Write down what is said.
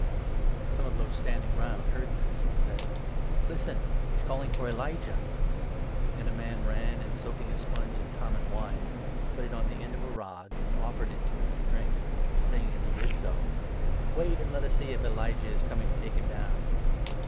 Some of those standing round heard this, and said : 35 " Listen ! He is calling for Elijah !" And a man ran, and, soaking a sponge in common wine, put 36 it on the end of a rod, and offered it to him to drink, saying as he did so :" Wait and let us see if Elijah is coming to take him down."